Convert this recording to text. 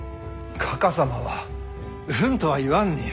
かか様は「うん」とは言わんに。